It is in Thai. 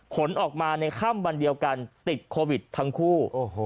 ผลออกมาในค่ำวันเดียวกันติดโควิดทั้งคู่